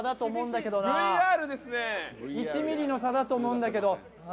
１ｍｍの差だと思うんだけど。